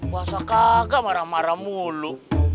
masa kagak marah marah mulu